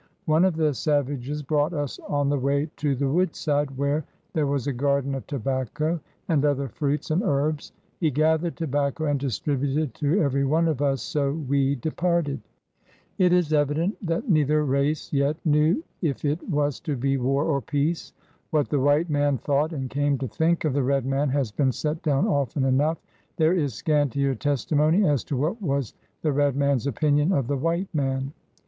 •.. One of the Savages brought us on the way to the Woodside where there was a Garden of Tobacco and other fruits and herbes; he gathered Tobacco and distributed to every one of us, so wee departed.*' It is evident that neither race' yet knew if it 80 PIONEERS OF THE OLD SOUTH was to be war or peace. What the white man thought and came to think of the red man has been set down often enough; there is scantier testimony as to what was the red man's opin ion of the white man.